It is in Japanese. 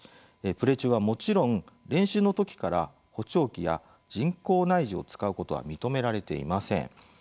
プレー中はもちろん練習の時から補聴器や人工内耳を使うことは認められていません。